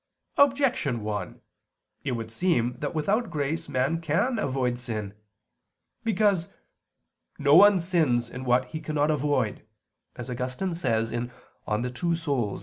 Objection 1: It would seem that without grace man can avoid sin. Because "no one sins in what he cannot avoid," as Augustine says (De Duab.